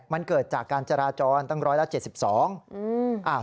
มันเกิดจากการจราจรตั้งร้อยละ๗๒